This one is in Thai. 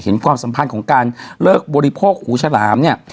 ความสัมพันธ์ของการเลิกบริโภคหูฉลามเนี่ย